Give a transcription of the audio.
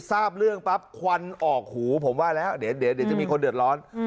ทราบเรื่องปั๊บควันออกหูผมว่าแล้วเดี๋ยวจะมีคนเดือดร้อน